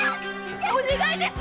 お願いです